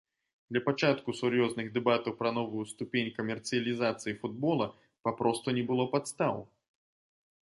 Для пачатку сур'ёзных дэбатаў пра новую ступень камерцыялізацыі футбола папросту не было падстаў.